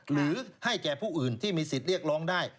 หรือให้แก่ผู้อื่นที่มีสิทธิ์เรียกร้องได้